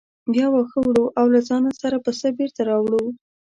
بیا واښه وړو او له ځانه سره پسه بېرته راوړو.